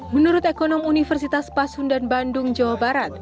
menurut ekonom universitas pasundan bandung jawa barat